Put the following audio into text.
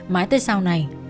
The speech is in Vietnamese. mãi tới sau này